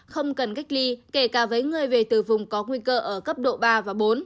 không cần cách ly kể cả với người về từ vùng có nguy cơ ở cấp độ ba và bốn